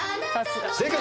正解！